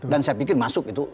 dan saya pikir masuk itu